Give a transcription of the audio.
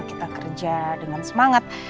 kita kerja dengan semangat